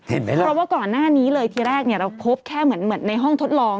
เพราะว่าก่อนหน้านี้เลยทีแรกเนี่ยเราพบแค่เหมือนในห้องทดลอง